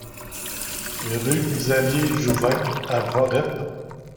Rue Xavier Jouvin à Voreppe